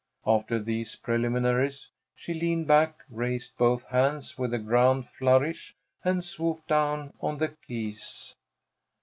After these preliminaries she leaned back, raised both hands with a grand flourish, and swooped down on the keys.